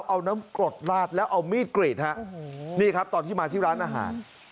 เอาน้ำกรดลาดแล้วเอามีดกรีดฮะนี่ครับตอนที่มาที่ร้านอาหาร